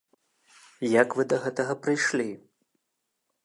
Як вы да гэтага прыйшлі?